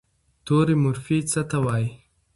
توري مورفي څه ته وایي؟